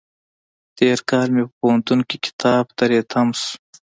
تېر کال مې په پوهنتون کې کتاب تری تم شو.